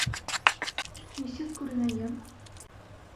Нисек күренәйем?